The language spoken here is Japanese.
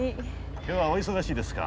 今日はお忙しいですか？